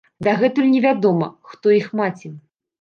Дагэтуль невядома, хто іх маці.